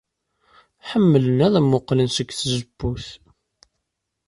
Ḥemmlen ad mmuqqlen seg tzewwut.